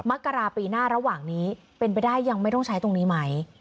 มกราปีหน้าระหว่างนี้เป็นไปได้ยังไม่ต้องใช้ตรงนี้ไหม